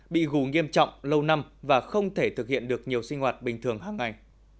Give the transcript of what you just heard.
bị gù nghiêm trọng lâu năm và không thể thực hiện được nhiều sinh hoạt bình thường hàng ngày